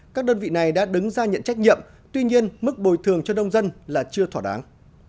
các đơn vị này đã đứng ra nhận trách nhiệm tuy nhiên mức bồi thường cho nông dân là chưa thỏa đáng